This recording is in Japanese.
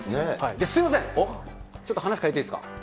すみません、ちょっと話変えていいですか？